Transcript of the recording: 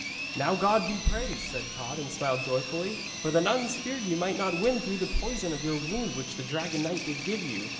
'Now God be praised,' said Tod, and smiled joyfully. 'For the nuns feared ye might not win through the poison of your wound which the dragon knight did give you.